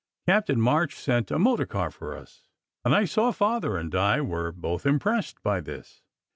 Captain March sent a motor car for us, and I saw Father and Di were both impressed by this.